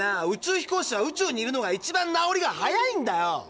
宇宙飛行士は宇宙にいるのが一番治りが早いんだよ！